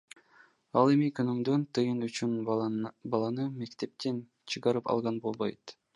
Ал эми күнүмдүк тыйын үчүн баланы мектептен чыгарып алган болбойт.